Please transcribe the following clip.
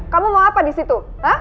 kamu mau apa disitu